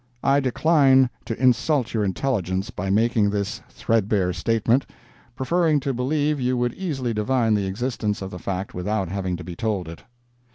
I decline to insult your intelligence by making this thread bare statement, preferring to believe you would easily divine the existence of the fact without having to be told it.